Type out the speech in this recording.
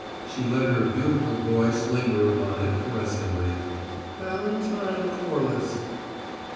She let her beautiful voice linger upon it, caressingly. "Valentine Corliss."